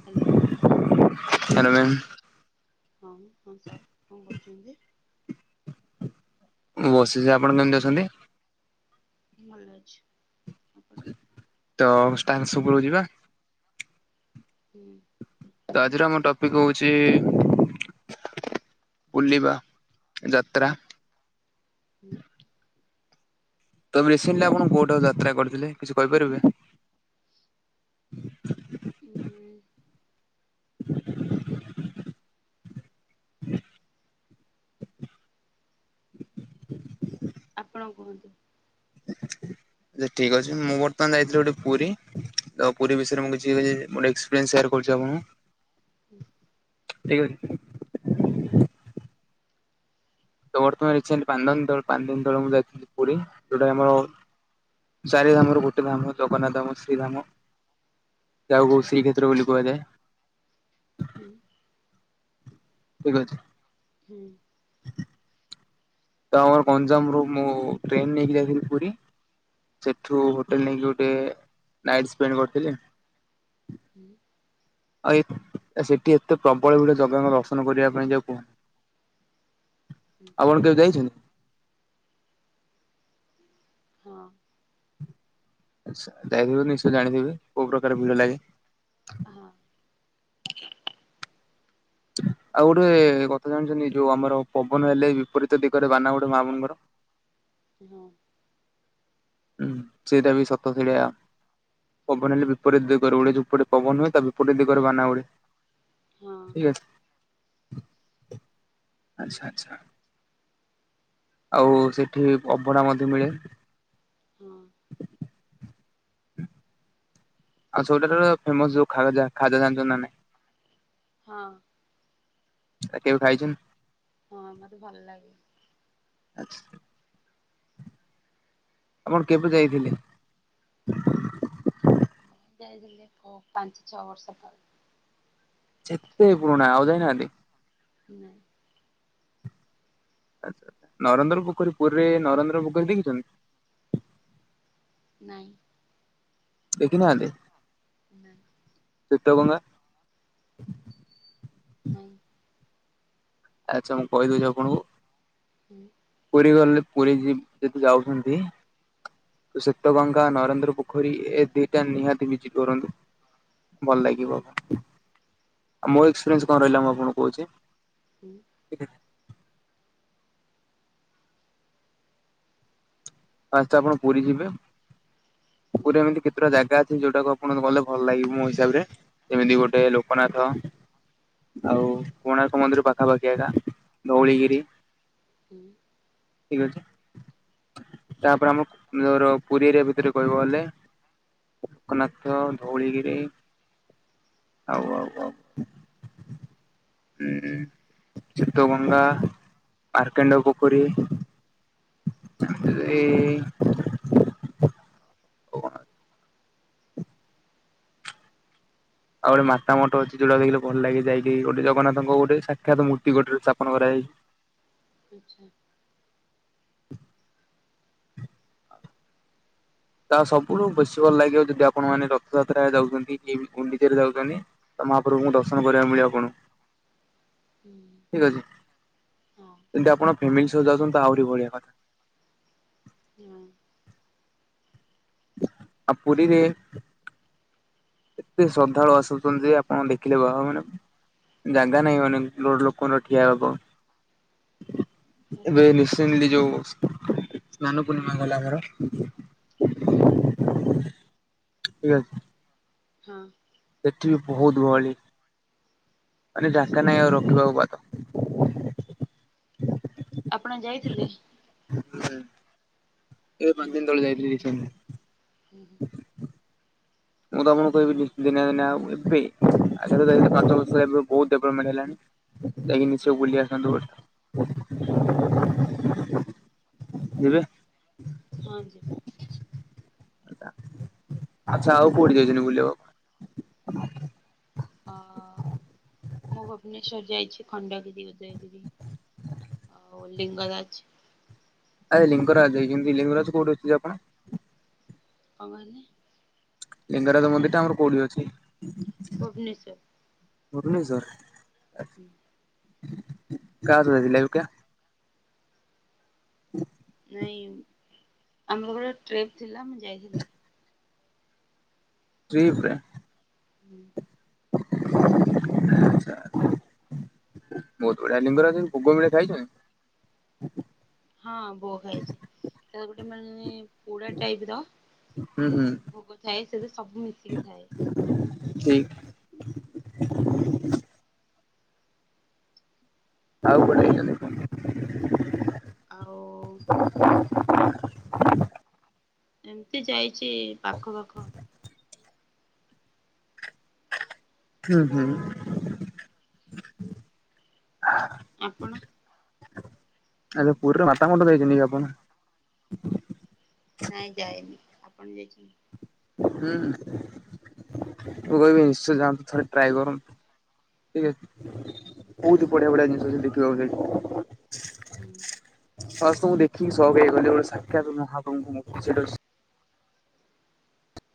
Hello ହଁ hello ma'am ହଁ sir କଣ କରୁଛନ୍ତି? ମୁଁ ବସିଛି ଆପଣ କେମିତି ଅଛନ୍ତି? ଭଲ ଅଛି ଆପଣ। ତ ଟ୍ରାନସ ଉପରକୁ ଯିବା ହୁଁ। ତ ଆଜିର ଆମର ଟପିକ୍ ହଉଛି। ବୁଲିବା ଯାତ୍ରା। ହୁଁ। ତ ମେସିନ ଆପଣଙ୍କୁ କୋଉଠାକୁ ଯାତ୍ରା କରିଥିଲି କିଛି କହିପାରିବ କି? ହୁଁ। ହଁ [unintelligible] ଆପଣ କୁହନ୍ତୁ। ଯେ ଠିକ ଅଛି ମୁଁ ବର୍ତ୍ତମାନ ଯାଇଥିଲି ଗୋଟେ ପୁରୀ, ତ ପୁରୀ ବିଷୟରେ ମୁଁ କିଛି ଏକ୍ସପେରିଏନ୍ସ ସେୟାର କରୁଛି ଆପଣଙ୍କୁ। ହୁଁ [inaudible] ଠିକ୍ ଅଛି। ହୁଁ। ତ ବର୍ତ୍ତମାନ ରିସେଣ୍ଟ ପାଞ୍ଚ ପାଞ୍ଚ ଦିନ ତଳେ ମୁଁ ଯାଇଥିଲି ପୁରୀ ଯୋଉଟା ଆମର ଚାରି ଧାମ ରୁ ଗୋଟେ ଧାମ ଜଗନ୍ନାଥ ଧାମ ଶ୍ରୀ ଧାମ ଯାହାକୁ ଆଚ୍ଛା ଶ୍ରୀକ୍ଷେତ୍ର ବୋଲି କୁହାଯାଏ। ହୁଁ। ଠିକ୍ ଅଛି। ହୁଁ। [inaudible] ତ ଆମର ଗଞ୍ଜାମରୁୁ ମୁଁ ଟ୍ରେନ ନେଇକି ଯାଇଥିଲି ପୁରୀ ସେଠୁ ହୁଁ ହୋଟେଲ ନେଇକି ଗୋଟେ ନାଇଟ୍ ସ୍ପେଣ୍ଡ କରିଥିଲି। ହୁଁ। ଆଉ ଏ ସେଠି ଏତେ ପ୍ରବଳ ଭିଡ଼ ଜଗାଙ୍କ ଦର୍ଶନ କରିବା ପାଇଁ ଯେ କୁହନି। ଆଚ୍ଛା ଆପଣ କେବେ ଯାଇଛନ୍ତି? ହଁ। ଆଚ୍ଛା ଯାଇଥିବେ ଯଦି ନିଶ୍ଚୟ ଜାଣିଥିବେ କୋଉ ପ୍ରକାର ଭିଡ଼ ଲାଗେ? ହଁ। ଆଉ ଗୋଟେ କଥା ଜାଣିଛନ୍ତି? ଯୋଉ ଆମର ପବନ ହେଲେ ବିପରୀତ ଦିଗରେ ବାନା ଉଡେ ମହାପ୍ରଭୁଙ୍କର। ହଁ। ହଁ ସେଇଟା ବି ସତ। ସେଇଟା ପବନ ହୁଁ ହେଲେ ବିପରୀତ ଦିଗରେ ଉଡେ ଜଉପଟେ ପବନ ହୁଏ ତା ବିପରୀତ ଦିଗରେ ବାନା ଉଡେ। ହଁ। ଠିକ୍ ଅଛି। ଆଚ୍ଛା ଆଚ୍ଛା। ଆଉ ସେଠି ଅଭଡା‌ ମଧ୍ୟ ମିଳେ। ହଁ। ଆଉ ସବୁଠାରୁ ଫେମସ୍ ଯୋଉ ଖାଜା ଖାଜା ଜାଣିଛନ୍ତି ନା ନାଇଁ? ହଁ। କେବେ ଖାଇଛନ୍ତି? ହଁ ମତେ ଭଲ ଲାଗେ। ଆଛା ଆପଣ କେବେ ଯାଇଥିଲେ? ଯାଇଥିଲି ଟିକେ ପାଞ୍ଚ ଛଅ ବର୍ଷ ତଳେ। ସେତେ ପୁରୁଣା ଆଉ ଯାଇନାହାନ୍ତି? ନାଇଁ। ଆଛା ନରେନ୍ଦ୍ର ପୋଖରୀ ପୁରୀରେ ନରେନ୍ଦ୍ର ପୋଖରୀ ଦେଖିଛନ୍ତି? ନାଇଁ। ଦେଖିନାହାନ୍ତି? ନାଁ। ଶ୍ଵେତଗଙ୍ଗା। ନାଇଁ। ଆଚ୍ଛା ମୁଁ କହିଦଉଛି ଆପଣଙ୍କୁ ହୁଁ। ପୁରୀ ଗଲେ ପୁରୀ ଯି ଯଦି ଯାଉଛନ୍ତି। ଶ୍ଵେତଗଙ୍ଗା ନରେନ୍ଦ୍ର ପୋଖରୀ ଏ ଦିଇଟା ନିହାତି ଭିଜିଟ୍ କରନ୍ତୁ। ଭଲ ହୁଁ ଲାଗିବ। ମୋ ଏକ୍ସପିରିଏନ୍ସ କଣ ରହିଲା ମୁଁ ଆପଣଙ୍କୁ କହୁଛି। ହୁଁ। [unintelligible] ଫାଷ୍ଟ ଆପଣ ପୁରୀ ଯିବେ। ହୁଁ ପୁରୀରେ ଏମିତି କେ କେତଟା ଜାଗା ଅଛି ଯୋଉଟାକୁ ଆପଣଙ୍କୁ ଗଲେ ଭଲ ଲାଗିବ ମୋ ହିସାବରେ। ଯେମିତି ଗୋଟେ ଲୋକନାଥ। ଆଉ ହୁଁ କୋଣାର୍କ ମନ୍ଦିର ପାଖାପାଖି ଏଟା ଧଉଳିଗିରି। ଉଁ ଠିକ୍ ଅଛି। ତାପରେ ଆମ ଯର ପୁରୀରେ ଭିତରେ କହିବ ଗଲେ ଲୋକନାଥ ଧଉଳିଗିରି। ଆଉ ଆଉ ଆଉ ଇଇ ଚିତଗଙ୍ଗା ଆର୍କେଣ୍ଡ ପୋଖରୀ ଏଇ ଓଭରନା ଆଉ ଗୋଟେ ମାତା ମଠ ଅଛି ଯୋଉଟା ଦେଖିଲେ ଭଲ ଲାଗେ ଯାଇକି। ଗୋଟେ ଜଗନ୍ନାଥଙ୍କ ଗୋଟେ ସାକ୍ଷାତ ମୂର୍ତ୍ତି ଗୋଟେ ସ୍ଥାପନ କରାଯାଇଛି। ଆଚ୍ଛା। [inaudible] ତା ସବୁଠୁ ବେଶୀ ଭଲ ଲାଗିବ ଯଦି ଆପଣ ମାନେ ରଥଯାତ୍ରାରେ ଯାଉଛନ୍ତି କି ଗୁଣ୍ଡିିଚାରେ ଯାଉଚନି। ତ ମହାପ୍ରଭୁଙ୍କୁ ଦର୍ଶନ କରିବାକୁ ମିଳିବ ଆପଣ ହୁଁ। ଠିକ୍ ଅଛି। ହଁ ଏମିତି ଆପଣ ଫ୍ୟାମିଲି ସହ ଯାଉଚନ୍ତି ତା ଆହୁରି ବଢିଆ କଥା। ହୁଁ ଆ ପୁରୀରେ ଏତେ ଶ୍ରଦ୍ଧାଳୁ ଆସୁଚନ୍ତି ଯେ ଆପଣ ଦେଖିଲେ କହ ମାନେ ଜାଗା ନାହିଁ ମାନେ ଲୋଡ ଲୋକଙ୍କ ଠିଆହେବାକୁ ଆଉ। ଏବେ ଆଚ୍ଛା ରିସେନଲି ଯୋଉ ସ୍ନାନ ପୂର୍ଣିମା ଗଲା ଘର ହୁଁ ଠିକ୍ ଅଛି। ହଁ ସେଠି ବି ବହୁତ୍ ଗହଳି। ମାନେ ଆଚ୍ଛା ଜାଗା ନାହିଁ ଆଉ ରଖିବାକୁ ବାଗ। ଆପଣ ଯାଇଥିଲେ? ହୁଁ ହୁଁ ଏ ପାଞ୍ଚ ଦିନି ତଳେ ଯାଇଥିଲି ରିସେଣ୍ଟଲି। ହୁଁ ହୁଁ ମୁଁ ତମଙ୍କୁ କହିବିନି ଦିନେ ନା ଦିନେ ଆଉ ଏବେ [unintelligible] ପାଞ୍ଚବର୍ଷ ହେବ ବହୁତ ଡେଭଲପମେଣ୍ଟ ହେଲାଣି। ଯାଇକି ନିଶ୍ଚୟ ବୁଲି ଆସନ୍ତୁ ଗୋଟେ। ଯିବେ? ହଁ ଯିବି। ଆଚା ଆଚ୍ଛା ଆଉ କୋଉଠି ଯାଇଛନ୍ତି ବୁଲିବାକୁ? ଅ ମୁଁ ଭୁବନେଶ୍ଵର ଯାଇଛି ଖଣ୍ଡଗିରି, ଉଦୟଗିରି। ଆଉ ଲିଙ୍ଗରାଜ? ଆରେ ଲିଙ୍ଗରାଜ ଦେଇଚିନ୍ତି ଲିଙ୍ଗରାଜ କୋଉଠି ଅଛି ଆପଣ? କଁ କହିଲେ? ଲିଙ୍ଗରାଜ ମନ୍ଦିରଟା ଆମର କୋଉଠି ଅଛି? ଭୁବନେଶ୍ୱର। ଭୁବନେଶ୍ୱର? ହୁଁ କାହା ସହ ଯାଇଥିଲେ ଏକା? ନାଇଁ ଆମ ଘର ଟ୍ରିପ୍ ଥିଲା ମୁଁ ଯାଇଥିନି। ଟ୍ରିପ ଏ ହୁଁ। ଆଚ୍ଛା। ବହୁତ ବଢ଼ିଆ ଲିଙ୍ଗରାଜରେ ଭୋଗ ମିଳେ ଖାଇଚଇଁ? ହଁ ଭୋଗ ଖାଇଚି ତ ଗୋଟେ ମାନେ ପୋଡ଼ା ଟାଇପ୍ ର। ହୁଁ ହୁଁ ଭୋଗ ଥାଏ ସେଥିରେ ସବୁ ମିଶିକି ଥାଏ। ଖି ହୁଁ। ଆଉ ଗୋଟେ ମାନେ କିଏ ଲୋକଟେ ଆଉ ଏମତି ଯାଇଚି ପାଖ ପାଖ। ଉଁ ହୁଁ। ଆପଣ? ଏବେ ପୁରୀର ମାତା ମଠ ଯାଇଛନ୍ତି କି ଆପଣ? ନାଇଁ ଯାଇନି ଆପଣ ଯାଇଛନ୍ତି? ହୁଁ ମୁଁ କହିବି ନିଶ୍ଚୟ ଯାଆନ୍ତୁ ଥରେ ଟ୍ରାଏ କରନ୍ତୁ। ଠିକ୍ ଅଛି ବୋହୁତ ବଢ଼ିଆ ବଢ଼ିଆ ଜିନିଷ ସେ ଦେଖିବାକୁ ଯାଇ ହୁଁ। ଫାଷ୍ଟ୍ ମୁଁ ଦେଖିକି ଶକ୍ ହେଇଗଲି ଗୋଟେ ସାକ୍ଷାତ ମହାପ୍ରଭୁଙ୍କୁ ମୋ ଖୁସିଟା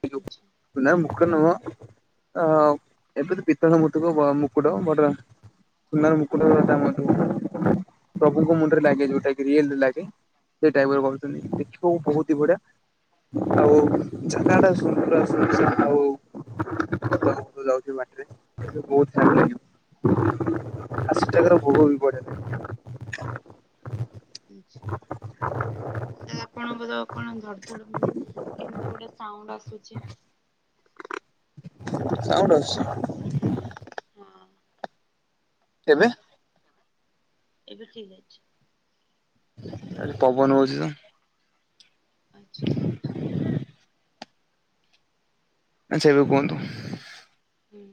ହିଜୁ ଆଚ୍ଛା ନାଁ ମୁକ ନୁହଁ ତ ହଁ ଏବେ ତ ପିତ୍ତଳ ମୁର୍ତ୍ତୀକୁ ବ ମୁକୁଟ ବଡ଼ର ସୁନାର ମୁକୁଟ ତା ମଧୁ ପ୍ରଭୁଙ୍କ ମୁଣ୍ଡରେ ଲାଗେ ଯୋଉଟା କି ରିଏଲ ରେ ଲାଗେ। ସେ ଟାଇପ କହୁଥୁନି ଦେଖିବୁ ବହୁତି ବଢ଼ିଆ ଆଉ ଝା ଲାଟା ସୁନ୍ଦର ଆସୁଚି ଆଉ [inaudible] ଯାଉଛି ମାଟିରେ। ତତେ ବହୁତ୍ ଶା ଲାଗିବ ଆ ସେଠାକାର ଭୋଗ ବି ବଢ଼ିଆ। ଉଁଛ୍ ଆ ଆପଣଙ୍କର କଣ ଧଡ଼ ଧଡ଼ ମନେ କେମିତି ଗୋଟେ ସାଉଣ୍ଡ ଆସୁଚି। ସାଉଣ୍ଡ ଅସୁଚି। ହଁ ଏବେ? ଏବେ ଠିକ୍ ଅଛି। ଆ ପବନ ହଉଚି ତ। ଆଚ୍ଛା। ଆଚ୍ଛା ଏବେ କୁହନ୍ତୁ। ଉଁ।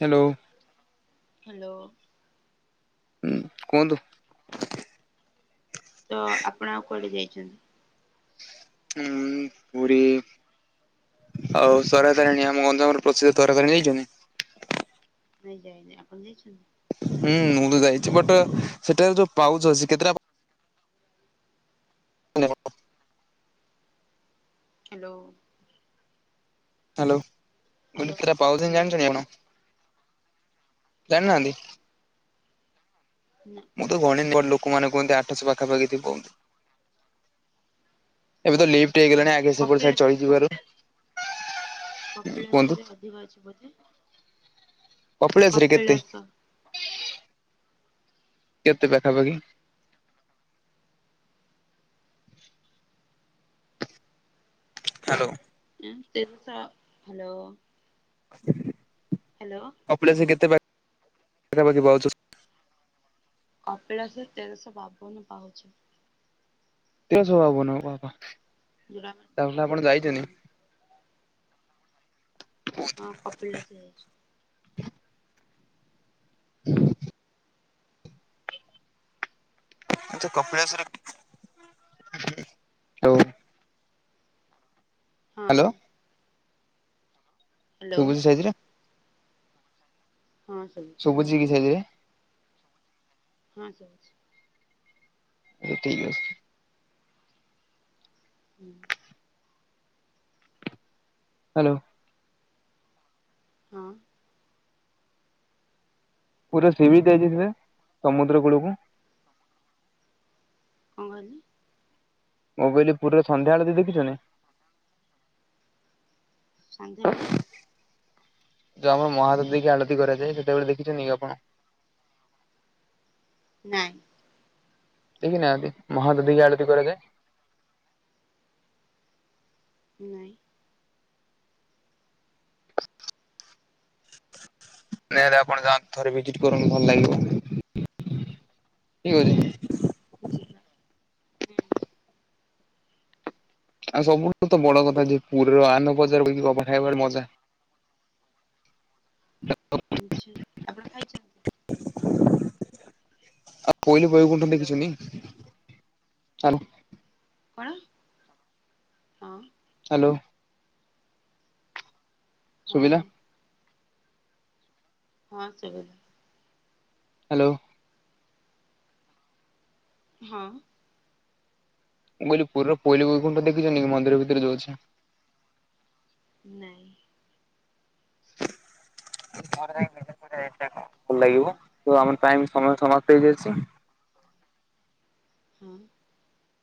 ହେଲୋ। ହାଲୋ। ହୁଁ କୁହନ୍ତୁ। ତ ଆପଣ ଆଉ କୁଆଡ଼େ ଯାଇଛନ୍ତି? ହୁଁ ପୁରୀ ଆଉ ତରା ତାରିଣୀ ଆମ ଗଞ୍ଜାମର ପ୍ରସିଦ୍ଧ ତାରା ତାରୀ ଯାଇଚୁ ନା? ନାଇଁ ଯାଇନେଇ ଆପଣ ଯାଇଛନ୍ତି? ହୁଁ ମୁଁ ତ ଯାଇଚି ବଟ ସେଠାରେ ଯୋଉ ପାଉଛ ଅଛି କେତେଟା ହ୍ୟାଲୋ ହ୍ୟାଲୋ ହ୍ୟାଲୋ ଗ ହ୍ୟାଲୋ କେଟା ପାଉ ହଁ ଦିନ ଜାଣିଛନ୍ତି ଆଣ? ଜାଣି କେତେଟା ନାହାଁନ୍ତି ନାଁ ମୁଁ ତ ଗଣିନି ଲୋକାନ କୁନ୍ତି ଆଠଶ ପାଖାପାଖିୁହନ୍ତି ଏବେ ତ ଆଚ୍ଛା ଲିଫଟ୍ ହେଇଗଲାଣି ଆଗେ ସେପଟ କପିଳାସ ଚଳିଯିବାରୁ କପଳ ଆସ କୁହନ୍ତୁ ଅଧିବାଜୀ ମ କପିଳାସ ରେ କେତେ କେତେ ପାଖାପାଖି? ହ୍ୟାଲୋ ସେ ହ୍ୟାଲୋ ହ ହ୍ୟାଲୋ କପିଳାସ କେତେ ପାଖ ପାଖାାଖି କପିଳାଶ ତେରଶ ବାବନ ପାହୁଛ। ସବ ଭବନ ବା ଯୋଉଟା ଆମେ ତାପଲେ ଆପଣ ହଁ ଯାଇଛନ୍ତି। ହଁ କପିଳାସ ଯାଇଛୁ ହଁ ଆଛ କପିଳାଶର ହଁ ହ୍ୟାଲୋ ହ୍ୟାଲୋ ଶୁଭୁଛି ସୋଇଥିରେ ହଁ ଶୁଭୁଛି ଶବୁଛି କି ସୋଇଜ୍ ରେ ହଁ ଶୁଭୁଛି ଠିକ୍ ଅଛି ହୁଁ ହ୍ୟାଲୋ ହଁ ପୁରା ସି ବି ଦେଇଛି ସେ ସମୁଦ୍ର କୂଳକୁ କଣ କହିଲି? ମୁ କହିଲିପୁରରେ ସନ୍ଧ୍ୟାବେଳେ ଦ ଦେଖିଛନ୍ତି ସନ୍ଧ୍ୟେବେେଳେ? ଯଉ ଆମ ମହାଦେବ ଦେଖି ଆଳତି କରାଯାଏ ସେତେବେଳେ ଦେଖିଛନ୍ତି କି ଆପଣ? ନାଇଁ ଦେଖି ନାହନ୍ତି ମହାଦଦି କି ଆଳତି କରାଯାଏ। ନାଇଁ ନଲେ ଆପଣ ଯାଆନ୍ତୁ ଥରେ ଭିଜିଟ କରନ୍ତୁ ଭଲ ଲାଗିବ ଠିକ ଅଛି। ଯିବା ହୁଁ ଆଉ ସବୁଠୁ ତ ବଡ କଥା ଯେ ପୁରୀର ଆନ ବଜାରକୁ କବା ଖାଇବା ମଜା। [unintelligible] ଆଛା ଆପଣ ଖାଇଛନ୍ତି? ଆଉ ପହଲେ ବୈକୁଣ୍ଠ ହ୍ୟାଲୋ ଦେଖିଛନ୍ତି? ଚାଲ କଣ ହଁ ହ୍ୟାଲୋ ହଁ ଶୁବିଲା? ହଁ ଶୁଭୁଛି। ହ୍ୟାଲୋ। ହଁ। ମୁଁ କହିଲ ପୁରୀର ପୋଇଲିବୈକୁଣ୍ଟ ଦେଖିଛନ୍ତି କି ମନ୍ଦିର ଭିତରେ ଯୋଉଛି। ନାଇଁ। ଘ ଭଲ ଲାଗିବ ତ ଆମ ଟାଇମ ସମୟ ସମପ୍ତ ହେଇ ଯାଇଛି। ହଁ।